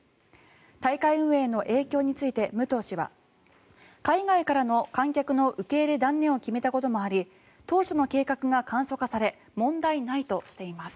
大会運営への影響について武藤氏は海外からの観客の受け入れ断念を決めたこともあり当初の計画が簡素化され問題ないとしています。